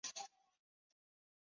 专门从事房地产法律。